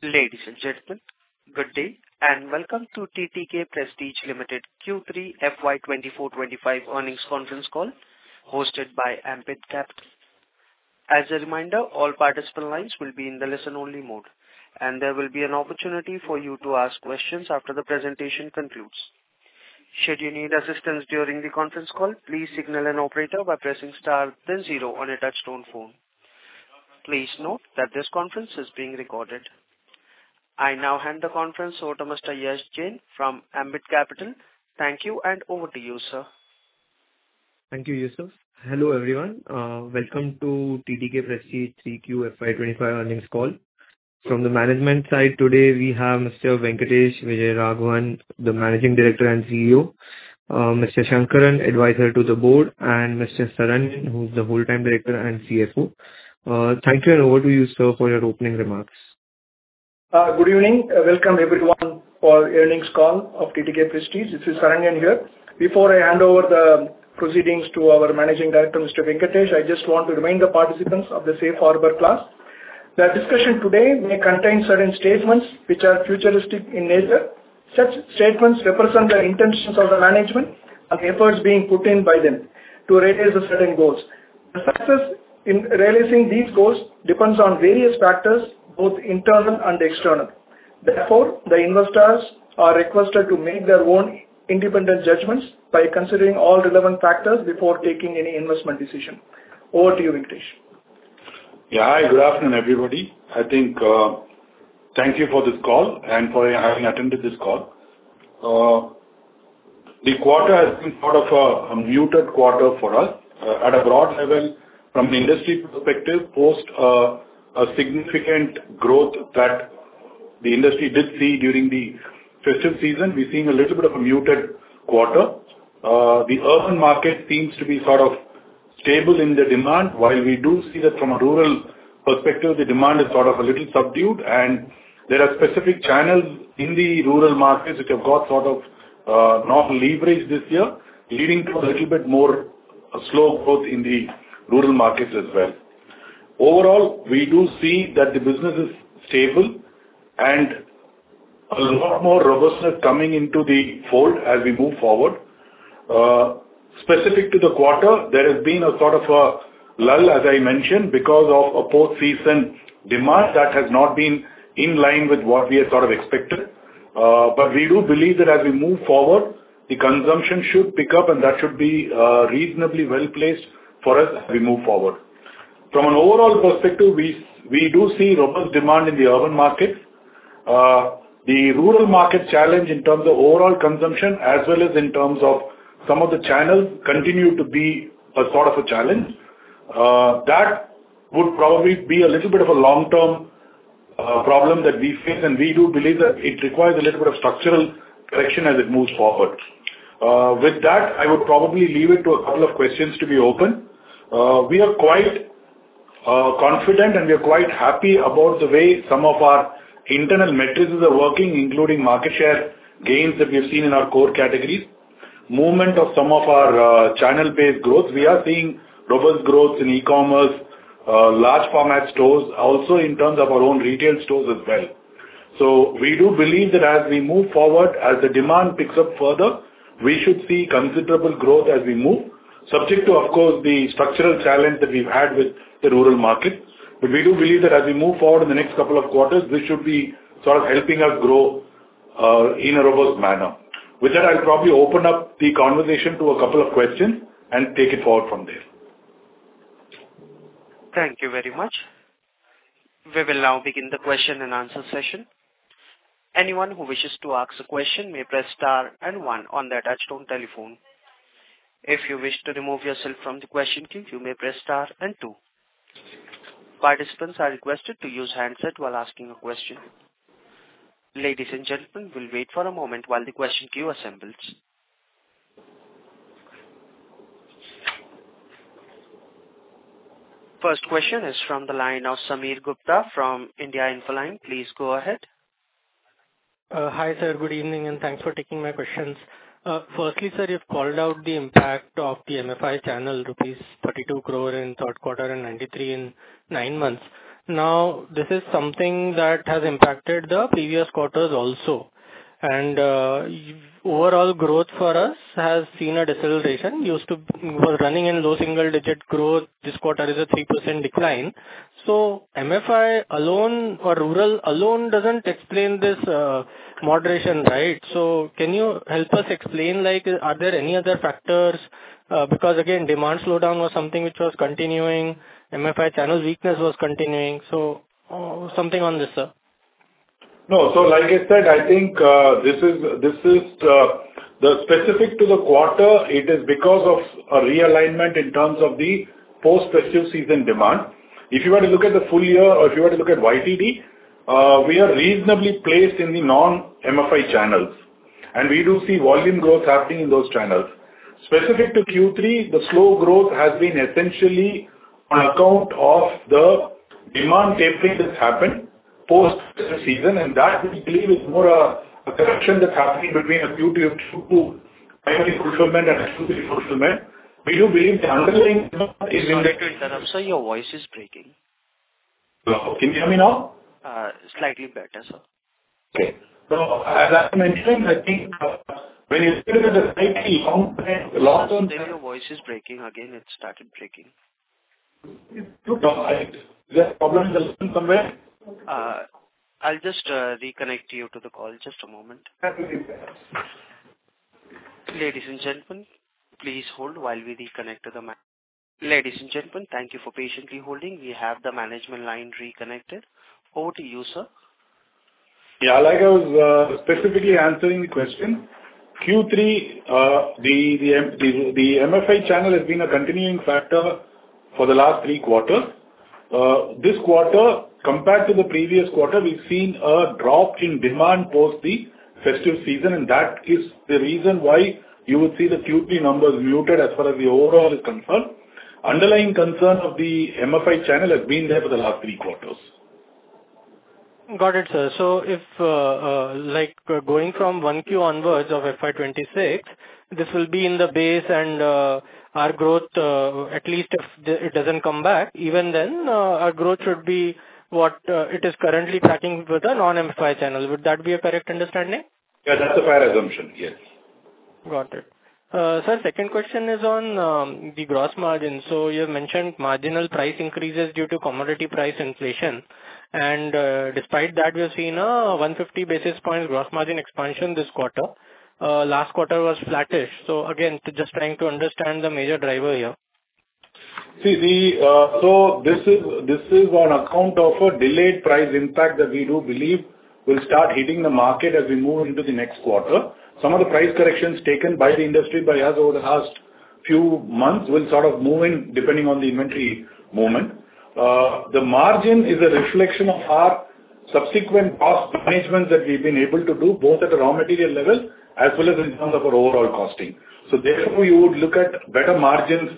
Ladies and gentlemen, good day and welcome to TTK Prestige Limited Q3 FY 24-25 earnings conference call hosted by Ambit Capital. As a reminder, all participant lines will be in the listen-only mode, and there will be an opportunity for you to ask questions after the presentation concludes. Should you need assistance during the conference call, please signal an operator by pressing star then zero on a touch-tone phone. Please note that this conference is being recorded. I now hand the conference over to Mr. Yash Jain from Ambit Capital. Thank you, and over to you, sir. Thank you, Yusuf. Hello everyone. Welcome to TTK Prestige 3Q FY 25 earnings call. From the management side, today we have Mr. Venkatesh Vijayaraghavan, the Managing Director and CEO, Mr. Shankaran, Advisor to the Board, and Mr. Sarangan, who is the full-time Director and CFO. Thank you, and over to you, sir, for your opening remarks. Good evening. Welcome everyone for the earnings call of TTK Prestige. This is Saranyan here. Before I hand over the proceedings to our Managing Director, Mr. Venkatesh, I just want to remind the participants of the safe harbor clause that discussion today may contain certain statements which are futuristic in nature. Such statements represent the intentions of the management and efforts being put in by them to raise the certain goals. The success in realizing these goals depends on various factors, both internal and external. Therefore, the investors are requested to make their own independent judgments by considering all relevant factors before taking any investment decision. Over to you, Venkatesh. Yeah, hi. Good afternoon, everybody. I think thank you for this call and for having attended this call. The quarter has been sort of a muted quarter for us. At a broad level, from an industry perspective, post a significant growth that the industry did see during the festive season, we're seeing a little bit of a muted quarter. The urban market seems to be sort of stable in the demand, while we do see that from a rural perspective, the demand is sort of a little subdued, and there are specific channels in the rural markets which have got sort of not leveraged this year, leading to a little bit more slow growth in the rural markets as well. Overall, we do see that the business is stable and a lot more robustness coming into the fold as we move forward. Specific to the quarter, there has been a sort of a lull, as I mentioned, because of a post-season demand that has not been in line with what we had sort of expected. But we do believe that as we move forward, the consumption should pick up, and that should be reasonably well placed for us as we move forward. From an overall perspective, we do see robust demand in the urban markets. The rural market challenge in terms of overall consumption, as well as in terms of some of the channels, continues to be a sort of a challenge. That would probably be a little bit of a long-term problem that we face, and we do believe that it requires a little bit of structural correction as it moves forward. With that, I would probably leave it to a couple of questions to be open. We are quite confident, and we are quite happy about the way some of our internal metrics are working, including market share gains that we have seen in our core categories, movement of some of our channel-based growth. We are seeing robust growth in e-commerce, large-format stores, also in terms of our own retail stores as well. So we do believe that as we move forward, as the demand picks up further, we should see considerable growth as we move, subject to, of course, the structural challenge that we've had with the rural market. But we do believe that as we move forward in the next couple of quarters, this should be sort of helping us grow in a robust manner. With that, I'll probably open up the conversation to a couple of questions and take it forward from there. Thank you very much. We will now begin the question and answer session. Anyone who wishes to ask a question may press star and one on the touch-tone telephone. If you wish to remove yourself from the question queue, you may press star and two. Participants are requested to use handset while asking a question. Ladies and gentlemen, we'll wait for a moment while the question queue assembles. First question is from the line of Sameer Gupta from India Infoline. Please go ahead. Hi sir, good evening, and thanks for taking my questions. Firstly, sir, you've called out the impact of the MFI channel, rupees 32 crore in third quarter and 93 in nine months. Now, this is something that has impacted the previous quarters also. And overall growth for us has seen a deceleration. We were running in low single-digit growth. This quarter is a 3% decline. So MFI alone or rural alone doesn't explain this moderation, right? So can you help us explain, are there any other factors? Because again, demand slowdown was something which was continuing. MFI channel weakness was continuing. So something on this, sir. No, so like I said, I think this is specific to the quarter. It is because of a realignment in terms of the post-festive season demand. If you were to look at the full year or if you were to look at YTD, we are reasonably placed in the non-MFI channels. And we do see volume growth happening in those channels. Specific to Q3, the slow growth has been essentially on account of the demand tapering that's happened post-festive season. And that we believe is more a correction that's happening between a Q2 fulfillment and a Q3 fulfillment. We do believe the underlying demand is indeed. Sir, I'm sorry, your voice is breaking. Can you hear me now? Slightly better, sir. Okay, so as I mentioned, I think when you look at the slightly long-term. Sir, your voice is breaking. Again, it started breaking. Is that problem resolving somewhere? I'll just reconnect you to the call. Just a moment. Okay. Ladies and gentlemen, please hold while we reconnect to the. Ladies and gentlemen, thank you for patiently holding. We have the management line reconnected. Over to you, sir. Yeah, like I was specifically answering the question, Q3, the MFI channel has been a continuing factor for the last three quarters. This quarter, compared to the previous quarter, we've seen a drop in demand post the festive season. And that is the reason why you would see the Q3 numbers muted as far as the overall is concerned. Underlying concern of the MFI channel has been there for the last three quarters. Got it, sir. So if going from 1Q onwards of FY 2026, this will be in the base and our growth, at least if it doesn't come back, even then our growth should be what it is currently tracking with the non-MFI channel. Would that be a correct understanding? Yeah, that's a fair assumption. Yes. Got it. Sir, second question is on the gross margin. So you have mentioned marginal price increases due to commodity price inflation. And despite that, we have seen a 150 basis points gross margin expansion this quarter. Last quarter was flattish. So again, just trying to understand the major driver here. See, so this is on account of a delayed price impact that we do believe will start hitting the market as we move into the next quarter. Some of the price corrections taken by the industry by us over the last few months will sort of move in depending on the inventory movement. The margin is a reflection of our subsequent cost management that we've been able to do both at a raw material level as well as in terms of our overall costing. So therefore, you would look at better margins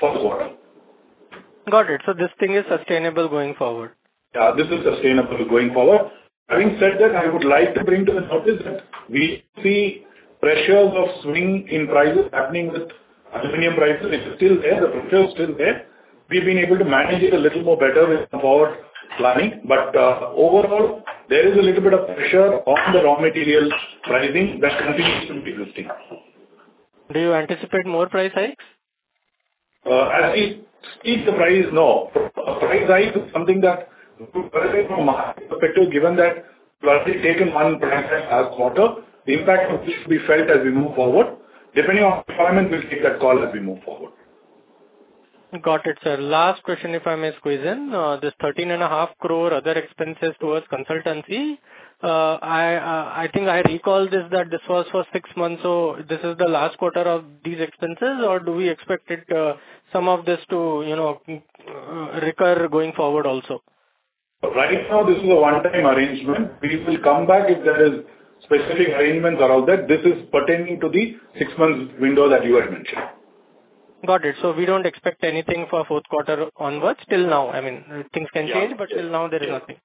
for the quarter. Got it. So this thing is sustainable going forward. Yeah, this is sustainable going forward. Having said that, I would like to bring to the notice that we see pressures of swing in prices happening with aluminum prices. It's still there. The pressure is still there. We've been able to manage it a little more better with the forward planning. But overall, there is a little bit of pressure on the raw material pricing that continues to be existing. Do you anticipate more price hikes? As we speak the price, no. Price hikes is something that, given that we've already taken one price hike last quarter, the impact will be felt as we move forward. Depending on the requirement, we'll take that call as we move forward. Got it, sir. Last question, if I may squeeze in. This 13.5 crore other expenses towards consultancy. I think I recall this that this was for six months. So this is the last quarter of these expenses, or do we expect some of this to recur going forward also? Right now, this is a one-time arrangement. We will come back if there are specific arrangements around that. This is pertaining to the six-month window that you had mentioned. Got it. So we don't expect anything for fourth quarter onwards till now. I mean, things can change, but till now, there is nothing.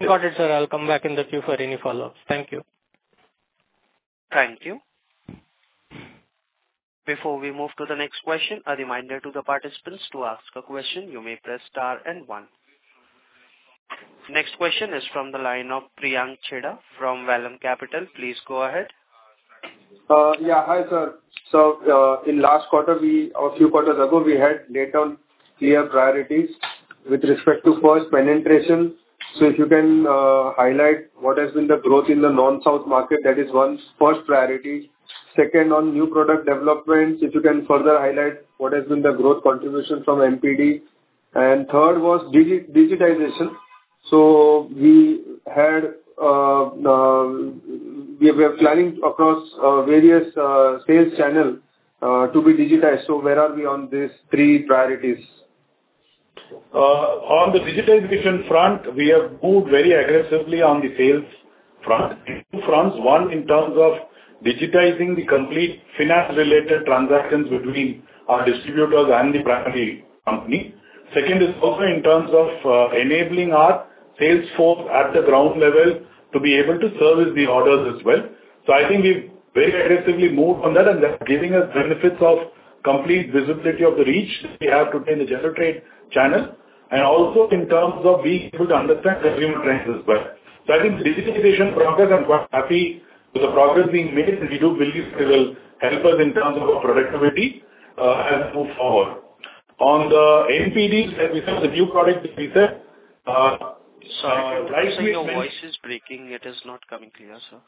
Got it, sir. I'll come back in the queue for any follow-ups. Thank you. Thank you. Before we move to the next question, a reminder to the participants to ask a question. You may press star and one. Next question is from the line of Priyank Chheda from Vallum Capital. Please go ahead. Yeah, hi sir. So in last quarter, a few quarters ago, we had laid down clear priorities with respect to market penetration. So if you can highlight what has been the growth in the Non-South market, that is our first priority. Second, on new product development, if you can further highlight what has been the growth contribution from NPD. And third was digitization. So we were planning across various sales channels to be digitized. So where are we on these three priorities? On the digitization front, we have moved very aggressively on the sales front. Two fronts. One in terms of digitizing the complete finance-related transactions between our distributors and the primary company. Second is also in terms of enabling our sales force at the ground level to be able to service the orders as well. So I think we've very aggressively moved on that, and that's giving us benefits of complete visibility of the reach that we have today in the general trade channel. And also in terms of being able to understand consumer trends as well. So I think the digitization process, I'm quite happy with the progress being made. We do believe it will help us in terms of our productivity as we move forward. On the NPDs, as we said, the new product that we said, price hikes. Sir, your voice is breaking. It is not coming clear, sir.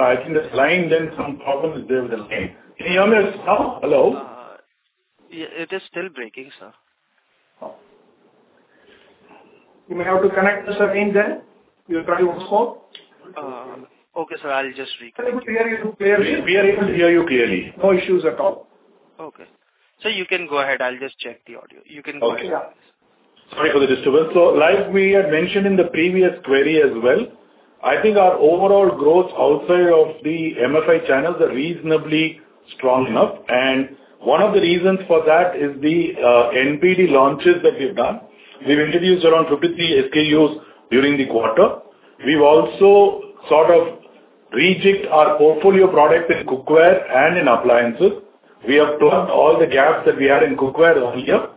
I think that's fine. Then some problem is there with the line. Can you hear me now? Hello? It is still breaking, sir. You may have to connect to some in there. You're trying to hold the phone? Okay, sir. We are able to hear you clearly. No issues at all. Okay. So you can go ahead. I'll just check the audio. You can go ahead. Okay. Sorry for the disturbance. So, like we had mentioned in the previous query as well, I think our overall growth outside of the MFI channels is reasonably strong enough. And one of the reasons for that is the NPD launches that we've done. We've introduced around 53 SKUs during the quarter. We've also sort of rejigged our portfolio product in cookware and in appliances. We have plugged all the gaps that we had in cookware earlier.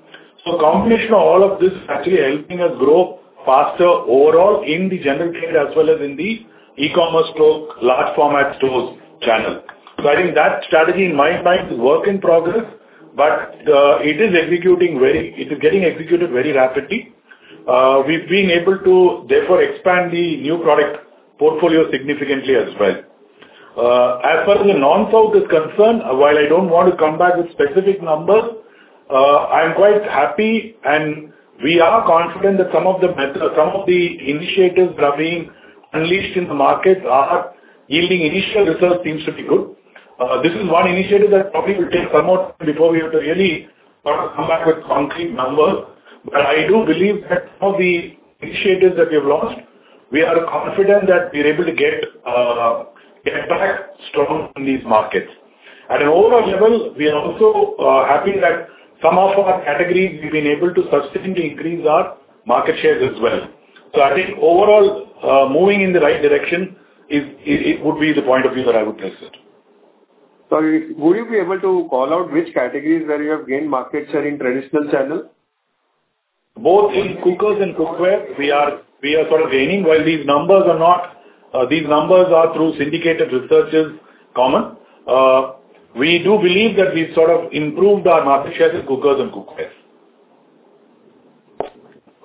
So, combination of all of this is actually helping us grow faster overall in the general trade as well as in the e-commerce store, large-format stores channel. So, I think that strategy in my mind is a work in progress, but it is getting executed very rapidly. We've been able to, therefore, expand the new product portfolio significantly as well. As far as the Non-South is concerned, while I don't want to come back with specific numbers, I'm quite happy, and we are confident that some of the initiatives that are being unleashed in the market are yielding initial results seems to be good. This is one initiative that probably will take some more time before we have to really sort of come back with concrete numbers. But I do believe that some of the initiatives that we have launched, we are confident that we are able to get back strong in these markets. At an overall level, we are also happy that some of our categories we've been able to sustain to increase our market shares as well. So I think overall, moving in the right direction would be the point of view that I would place it. Sorry, would you be able to call out which categories where you have gained market share in traditional channel? Both in cookers and cookware, we are sort of gaining. While these numbers are not through syndicated research, it is common. We do believe that we've sort of improved our market share in cookers and cookware.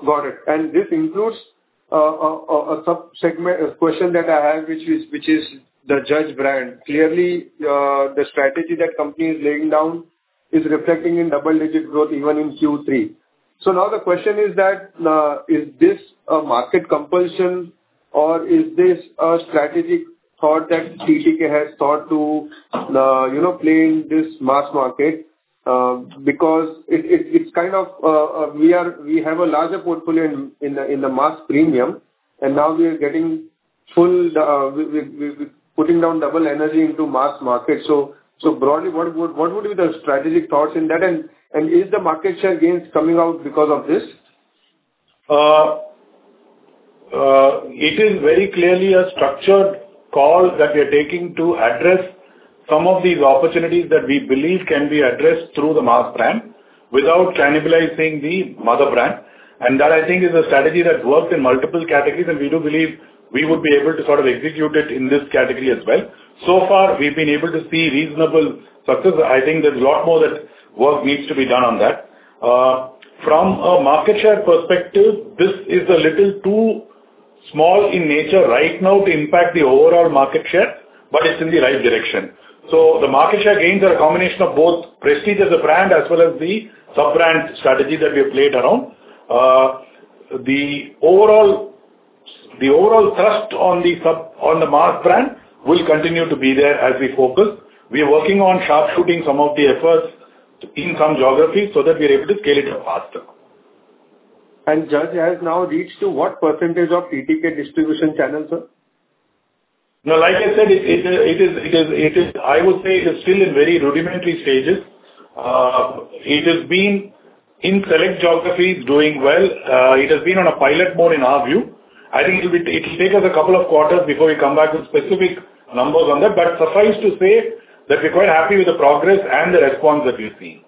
Got it. And this includes a subsegment question that I have, which is the Judge brand. Clearly, the strategy that company is laying down is reflecting in double-digit growth even in Q3. So now the question is that, is this a market compulsion, or is this a strategic thought that TTK has thought to play in this mass market? Because it's kind of we have a larger portfolio in the mass premium, and now we are getting full we're putting down double energy into mass market. So broadly, what would be the strategic thoughts in that? And is the market share gains coming out because of this? It is very clearly a structured call that we are taking to address some of these opportunities that we believe can be addressed through the mass brand without cannibalizing the mother brand, and that, I think, is a strategy that works in multiple categories, and we do believe we would be able to sort of execute it in this category as well, so far, we've been able to see reasonable success. I think there's a lot more work needs to be done on that. From a market share perspective, this is a little too small in nature right now to impact the overall market share, but it's in the right direction, so the market share gains are a combination of both Prestige as a brand as well as the sub-brand strategy that we have played around. The overall thrust on the mass brand will continue to be there as we focus. We are working on sharpshooting some of the efforts in some geographies so that we are able to scale it up faster. Judge has now reached to what percentage of TTK distribution channel, sir? No, like I said, I would say it is still in very rudimentary stages. It has been, in select geographies, doing well. It has been on a pilot mode in our view. I think it will take us a couple of quarters before we come back with specific numbers on that. But suffice to say that we're quite happy with the progress and the response that we've seen.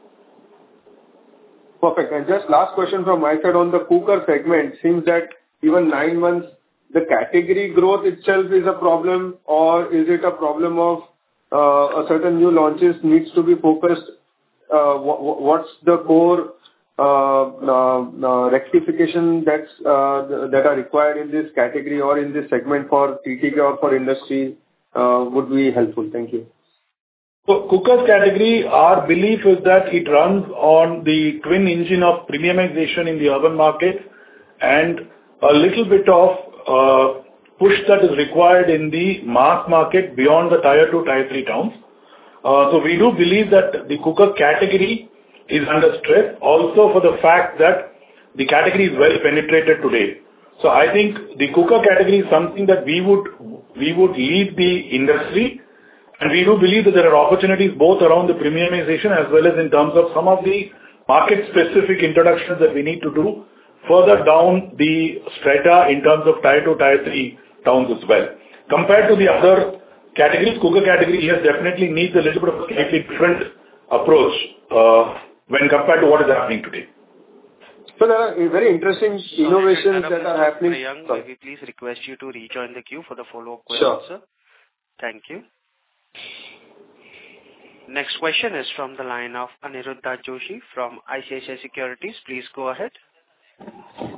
Perfect, and just last question from my side on the cooker segment. Seems that even nine months, the category growth itself is a problem, or is it a problem of a certain new launches needs to be focused? What's the core rectification that are required in this category or in this segment for TTK or for industry would be helpful? Thank you. For cooker category, our belief is that it runs on the twin engine of premiumization in the urban market and a little bit of push that is required in the mass market beyond the Tier 2, Tier 3 towns. So we do believe that the cooker category is under stress also for the fact that the category is well penetrated today. So I think the cooker category is something that we would lead the industry. And we do believe that there are opportunities both around the premiumization as well as in terms of some of the market-specific introductions that we need to do further down the strata in terms of Tier 2, Tier 3 towns as well. Compared to the other categories, cooker category has definitely needs a little bit of a slightly different approach when compared to what is happening today. So there are very interesting innovations that are happening. Sir, we please request you to rejoin the queue for the follow-up questions, sir. Sure. Thank you. Next question is from the line of Aniruddha Joshi from ICICI Securities. Please go ahead.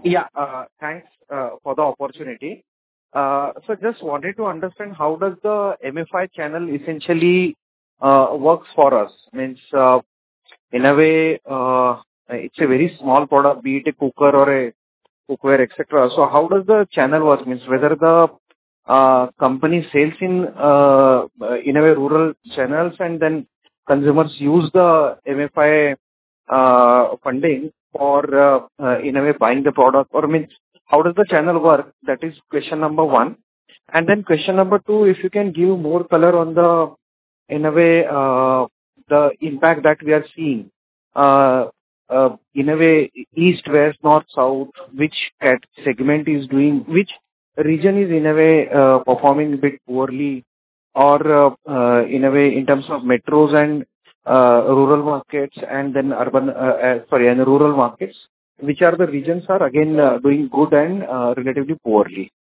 Yeah, thanks for the opportunity. So just wanted to understand how does the MFI channel essentially works for us? Means, in a way, it's a very small product, be it a cooker or a cookware, etc. So how does the channel work? Means, whether the company sells in a way rural channels and then consumers use the MFI funding or in a way buying the product? Or means, how does the channel work? That is question number one. And then question number two, if you can give more color on the, in a way, the impact that we are seeing in a way, East, West, North, South, which segment is doing? Which region is in a way performing a bit poorly? Or in a way, in terms of metros and rural markets and then urban sorry, and rural markets, which are the regions that are again doing good and relatively poorly?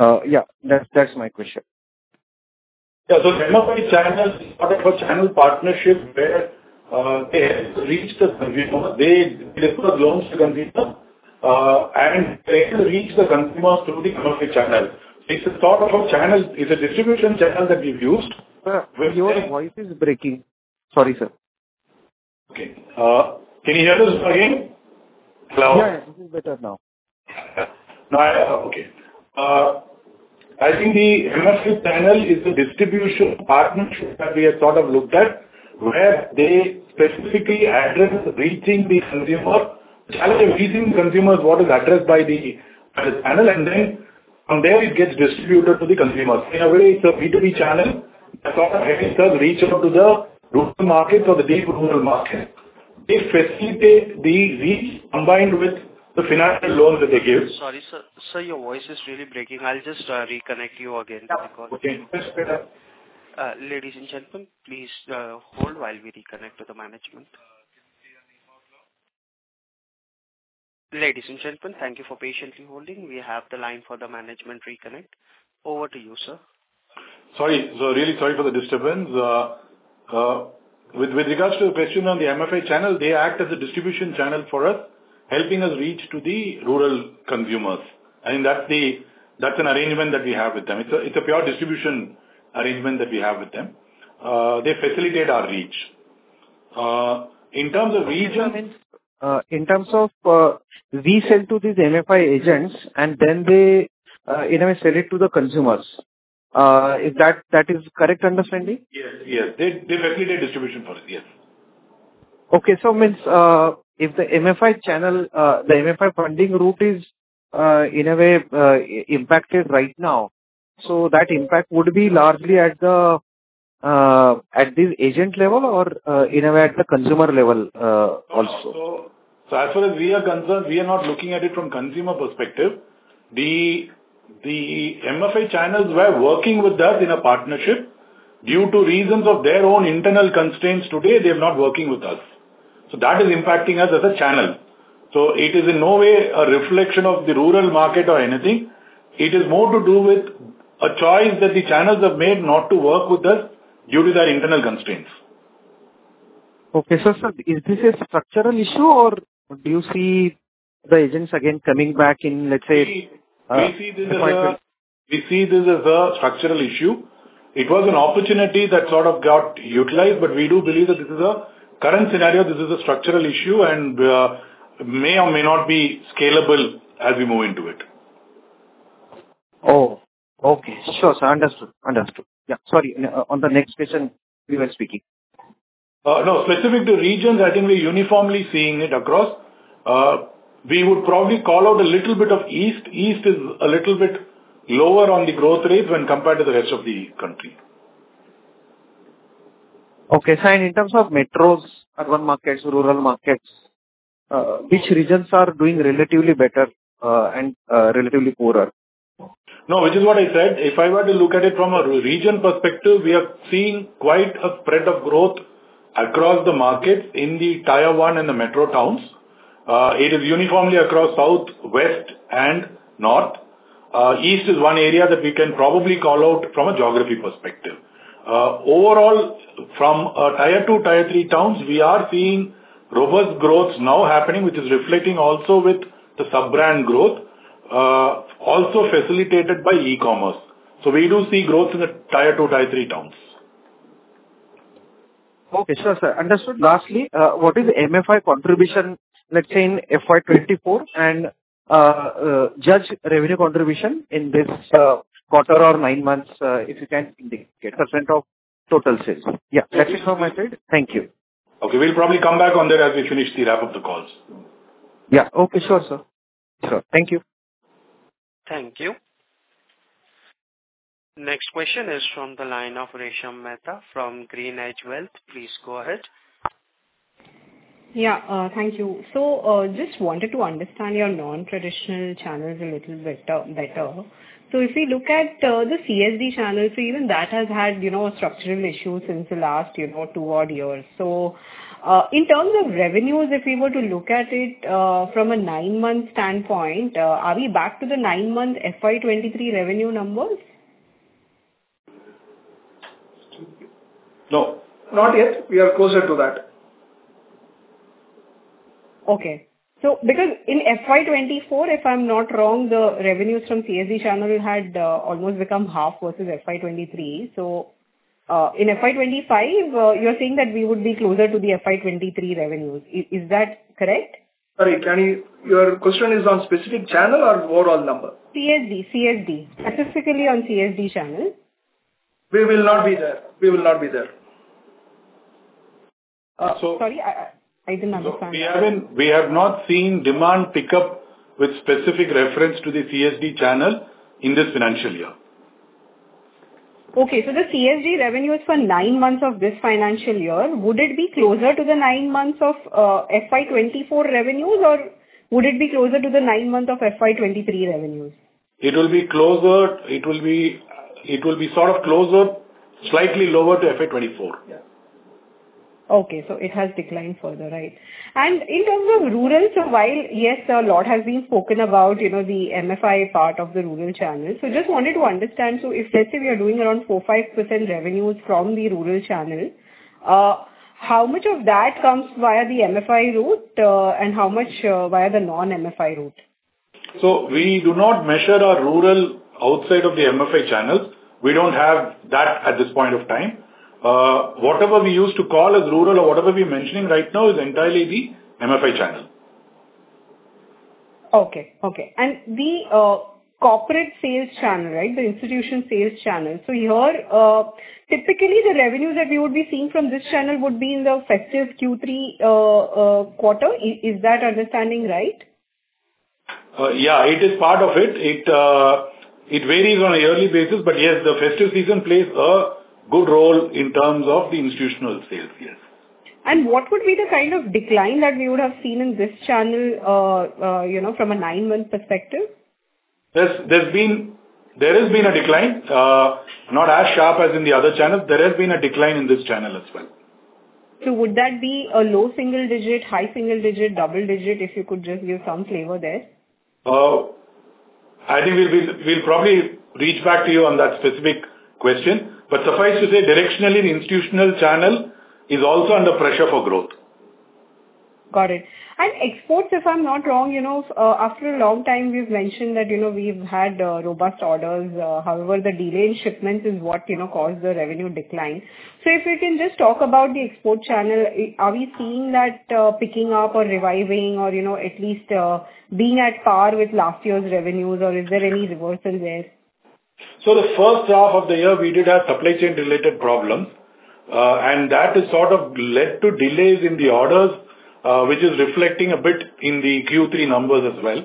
Yeah, that's my question. Yeah, so MFI channels sort of a channel partnership where they reach the consumers. They deliver loans to consumers and they reach the consumers through the MFI channel. It's a sort of channel. It's a distribution channel that we've used. Sir, your voice is breaking. Sorry, sir. Okay. Can you hear us again? Hello? Yeah, yeah. This is better now. Okay. I think the MFI channel is a distribution partnership that we have sort of looked at where they specifically address reaching the consumer. The challenge of reaching the consumer is what is addressed by the channel, and then from there, it gets distributed to the consumers. In a way, it's a B2B channel that sort of helps us reach out to the rural market or the deep rural market. They facilitate the reach combined with the financial loans that they give. Sorry, sir. Sir, your voice is really breaking. I'll just reconnect you again because. Okay. Ladies and gentlemen, please hold while we reconnect with the management. Ladies and gentlemen, thank you for patiently holding. We have the line for the management reconnect. Over to you, sir. Sorry. So really sorry for the disturbance. With regards to the question on the MFI channel, they act as a distribution channel for us, helping us reach to the rural consumers. I think that's an arrangement that we have with them. It's a pure distribution arrangement that we have with them. They facilitate our reach. In terms of region. In terms of we sell to these MFI agents, and then they in a way sell it to the consumers. Is that, that is, correct understanding? Yes, yes. They facilitate distribution for it, yes. Okay. So means, if the MFI channel, the MFI funding route is in a way impacted right now, so that impact would be largely at this agent level or in a way at the consumer level also? So as far as we are concerned, we are not looking at it from consumer perspective. The MFI channels were working with us in a partnership due to reasons of their own internal constraints today. They are not working with us. So that is impacting us as a channel. So it is in no way a reflection of the rural market or anything. It is more to do with a choice that the channels have made not to work with us due to their internal constraints. Okay. So, sir, is this a structural issue, or do you see the agents again coming back in, let's say, quite well? We see this as a structural issue. It was an opportunity that sort of got utilized, but we do believe that this is a current scenario. This is a structural issue and may or may not be scalable as we move into it. Oh, okay. Sure, sir. Understood. Yeah. Sorry, on the next question, we were speaking. No, specific to regions, I think we're uniformly seeing it across. We would probably call out a little bit of East. East is a little bit lower on the growth rate when compared to the rest of the country. Okay. Sir, in terms of metros, urban markets, rural markets, which regions are doing relatively better and relatively poorer? No, which is what I said. If I were to look at it from a region perspective, we have seen quite a spread of growth across the markets in the Tier 1 and the metro towns. It is uniformly across South, West, and North. East is one area that we can probably call out from a geography perspective. Overall, from Tier 2, Tier 3 towns, we are seeing robust growth now happening, which is reflecting also with the sub-brand growth, also facilitated by e-commerce. So we do see growth in the Tier 2, Tier 3 towns. Okay. So, sir, understood. Lastly, what is MFI contribution, let's say, in FY 24 and Judge revenue contribution in this quarter or nine months, if you can indicate? Percent of total sales. Yeah. That is how I said. Thank you. Okay. We'll probably come back on that as we finish the wrap of the calls. Yeah. Okay. Sure, sir. Sure. Thank you. Thank you. Next question is from the line of Rishabh Mehta from GreenEdge Wealth. Please go ahead. Yeah. Thank you. So just wanted to understand your non-traditional channels a little bit better. So if we look at the CSD channel, so even that has had a structural issue since the last two odd years. So in terms of revenues, if we were to look at it from a nine-month standpoint, are we back to the nine-month FY 23 revenue numbers? No. Not yet. We are closer to that. Okay. So because in FY 24, if I'm not wrong, the revenues from CSD channel had almost become half versus FY 23. So in FY 25, you're saying that we would be closer to the FY 23 revenues. Is that correct? Sorry, Cani, your question is on specific channel or overall number? CSD. Specifically on CSD channel. We will not be there. Sorry? I didn't understand. We have not seen demand pickup with specific reference to the CSD channel in this financial year. Okay, so the CSD revenues for nine months of this financial year, would it be closer to the nine months of FY 2024 revenues, or would it be closer to the nine months of FY 2023 revenues? It will be closer. It will be sort of closer, slightly lower to FY 2024. Okay. So it has declined further, right? And in terms of rural, so while, yes, a lot has been spoken about the MFI part of the rural channel. So just wanted to understand, so if, let's say, we are doing around 4%, 5% revenues from the rural channel, how much of that comes via the MFI route and how much via the non-MFI route? So we do not measure our rural outside of the MFI channels. We don't have that at this point of time. Whatever we used to call as rural or whatever we're mentioning right now is entirely the MFI channel. Okay. Okay. And the corporate sales channel, right, the institutional sales channel. So here, typically, the revenues that we would be seeing from this channel would be in the festive Q3 quarter. Is that understanding right? Yeah. It is part of it. It varies on a yearly basis, but yes, the festive season plays a good role in terms of the institutional sales, yes. What would be the kind of decline that we would have seen in this channel from a nine-month perspective? There has been a decline, not as sharp as in the other channels. There has been a decline in this channel as well. So would that be a low single digit, high single digit, double digit, if you could just give some flavor there? I think we'll probably reach back to you on that specific question. But suffice to say, directionally, the institutional channel is also under pressure for growth. Got it. And exports, if I'm not wrong, after a long time, we've mentioned that we've had robust orders. However, the delay in shipments is what caused the revenue decline. So if we can just talk about the export channel, are we seeing that picking up or reviving or at least being at par with last year's revenues, or is there any reversal there? The first half of the year, we did have supply chain-related problems, and that has sort of led to delays in the orders, which is reflecting a bit in the Q3 numbers as well.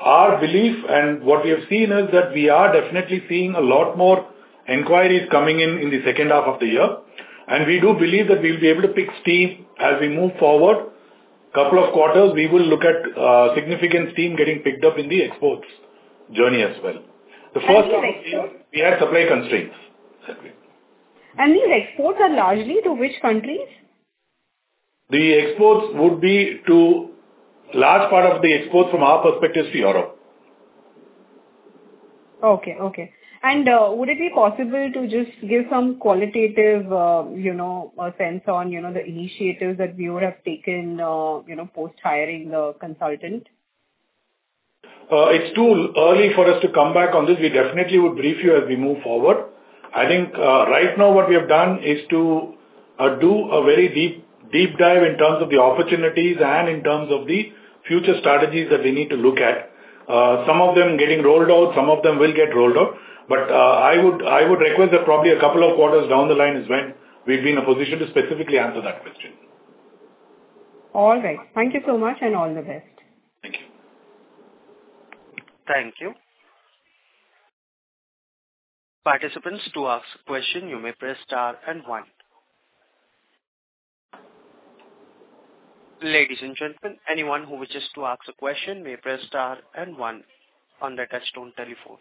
Our belief and what we have seen is that we are definitely seeing a lot more inquiries coming in in the second half of the year. We do believe that we'll be able to pick up steam as we move forward. A couple of quarters, we will look at significant steam getting picked up in the exports journey as well. The first half of the year, we had supply constraints. These exports are largely to which countries? The exports would be to a large part of the exports from our perspective is to Europe. Okay. And would it be possible to just give some qualitative sense on the initiatives that we would have taken post-hiring the consultant? It's too early for us to come back on this. We definitely would brief you as we move forward. I think right now, what we have done is to do a very deep dive in terms of the opportunities and in terms of the future strategies that we need to look at. Some of them getting rolled out. Some of them will get rolled out. But I would request that probably a couple of quarters down the line is when we'd be in a position to specifically answer that question. All right. Thank you so much and all the best. Thank you. Thank you. Participants, to ask a question, you may press star and one. Ladies and gentlemen, anyone who wishes to ask a question may press star and one on the touch-tone telephone.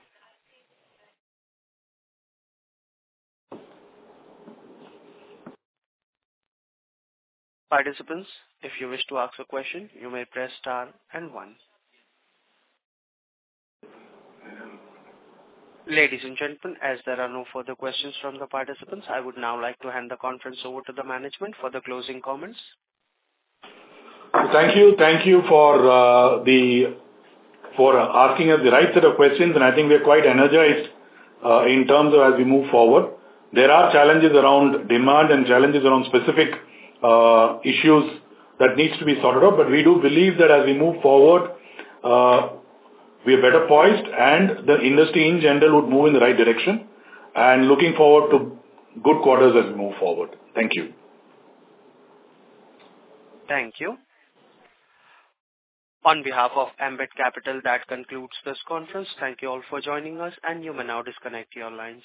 Participants, if you wish to ask a question, you may press star and one. Ladies and gentlemen, as there are no further questions from the participants, I would now like to hand the conference over to the management for the closing comments. Thank you. Thank you for asking us the right set of questions, and I think we are quite energized in terms of as we move forward. There are challenges around demand and challenges around specific issues that need to be sorted out, but we do believe that as we move forward, we are better poised, and the industry in general would move in the right direction, and looking forward to good quarters as we move forward. Thank you. Thank you. On behalf of Ambit Capital, that concludes this conference. Thank you all for joining us, and you may now disconnect your lines.